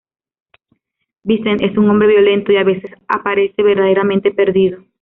Vincent es un hombre violento, y a veces aparece verdaderamente perdido.